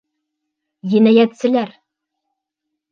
Енәйәтселәр!